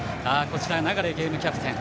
流ゲームキャプテン。